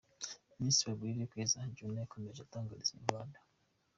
Miss Bagwire Keza Joannah yakomeje atangariza Inyarwanda.